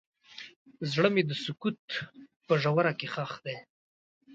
زړه مې د سکوت په ژوره کې ښخ دی.